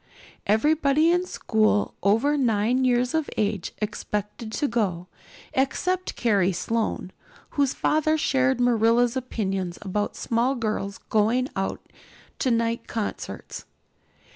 Everybody in school over nine years of age expected to go, except Carrie Sloane, whose father shared Marilla's opinions about small girls going out to night concerts.